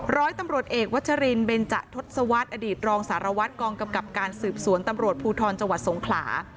ร้อยตำรวจเอกวัชรินเบนจะทศวรรษอดีตรองสารวัตรกองกำกับการสืบสวนตำรวจภูทรจังหวัดสงขลา